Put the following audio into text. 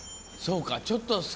そうかちょっと。